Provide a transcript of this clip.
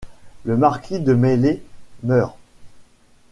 Le marquis de Maillé meurt.